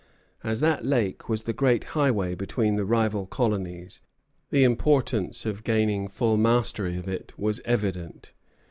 As that lake was the great highway between the rival colonies, the importance of gaining full mastery of it was evident.